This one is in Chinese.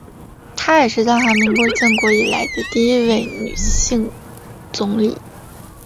她也是大韩民国建国以来的第一位女性总理。